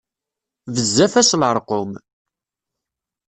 Bezzaf-as leṛqum.